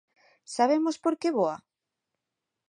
Sabemos por que voa?